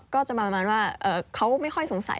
ก็จะประมาณว่าเขาไม่ค่อยสงสัย